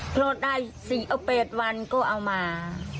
รอดได้๘วันก็เอามา